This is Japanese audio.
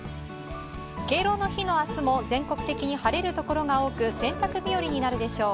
敬老の日の明日も全国的に晴れるところが多く洗濯日和になるでしょう。